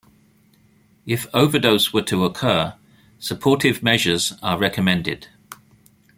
If overdose were to occur, supportive measures are recommended.